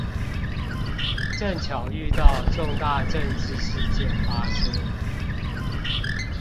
正巧遇到重大政治事件發生